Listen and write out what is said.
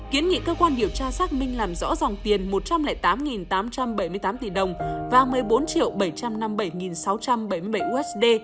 kiến nghị cơ quan điều tra xác minh làm rõ dòng tiền một trăm linh tám tám trăm bảy mươi tám tỷ đồng và một mươi bốn bảy trăm năm mươi bảy sáu trăm bảy mươi bảy usd